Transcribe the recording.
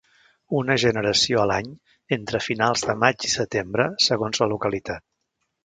Una generació a l'any entre finals de maig i setembre, segons la localitat.